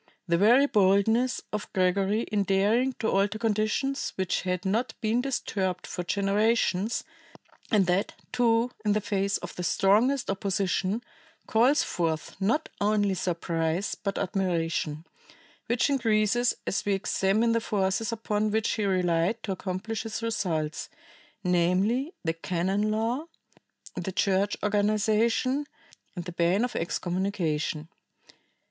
The very boldness of Gregory in daring to alter conditions which had not been disturbed for generations, and that, too, in the face of the strongest opposition, calls forth not only surprise, but admiration, which increases as we examine the forces upon which he relied to accomplish his results, namely, the canon law, the church organization and the ban of excommunication.